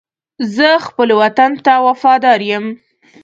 زه خپل وطن ته وفادار یم.